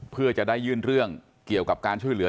เพื่อจะได้ยื่นเรื่องเกี่ยวกับการช่วยเหลือ